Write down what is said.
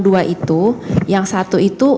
dua itu yang satu itu